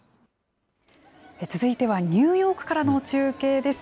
続いてはニューヨークからの中継です。